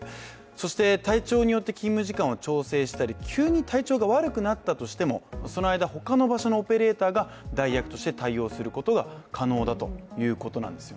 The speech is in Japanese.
そして体調によって勤務時間を調整したり急に体調が悪くなったとしても、その間、他の場所のオペレーターが代役として対応することが可能ということなんです。